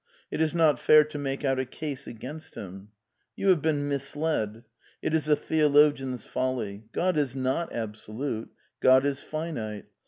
It is not fair to make out a case against him. You have been misled. It is a theologian's folly. God is not absolute; God is finite.